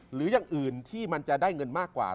หรืออย่างอื่นที่มันจะได้เงินมากกว่า